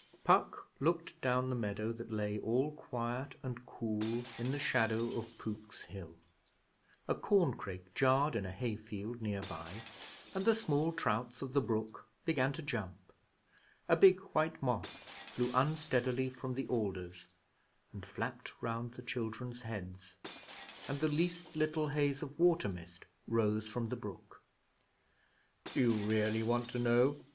Puck looked down the meadow that lay all quiet and cool in the shadow of Pook's Hill. A corncrake jarred in a hay field near by, and the small trouts of the brook began to jump. A big white moth flew unsteadily from the alders and flapped round the children's heads, and the least little haze of water mist rose from the brook. 'Do you really want to know?'